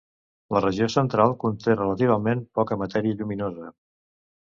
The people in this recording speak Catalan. La regió central conté relativament poca matèria lluminosa.